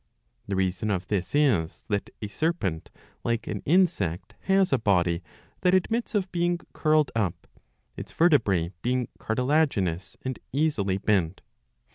The reason of this is that a serpent, like an insect, has a body that admits of being curled up, its vertebrae being cartilaginous and easily bent.